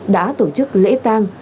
đã tổ chức lễ tàn